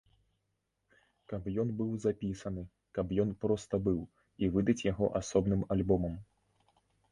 Каб ён быў запісаны, каб ён проста быў, і выдаць яго асобным альбомам.